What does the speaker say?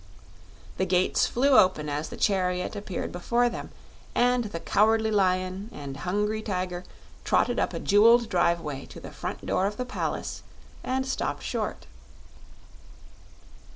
The gates flew open as the chariot appeared before them, and the Cowardly Lion and Hungry Tiger trotted up a jeweled driveway to the front door of the palace and stopped short.